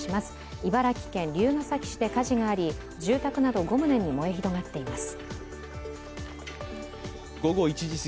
茨城県龍ケ崎市で火事があり、住宅など５棟に燃え広がっています。